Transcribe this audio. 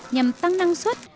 nhằm tăng năng suất